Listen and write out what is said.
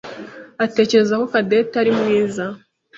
atekereza ko Cadette ari mwiza.